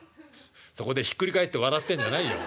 そこでひっくり返って笑ってんじゃないよ。